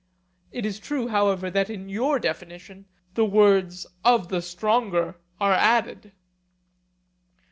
It is true, however, that in your definition the words 'of the stronger' are added.